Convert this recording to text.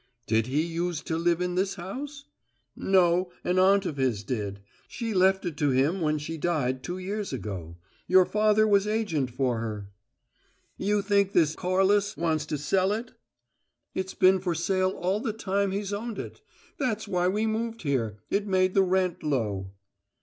"Did he use to live in this house?" "No; an aunt of his did. She left it to him when she died, two years ago. Your father was agent for her." "You think this Corliss wants to sell it?" "It's been for sale all the time he's owned it. That's why we moved here; it made the rent low."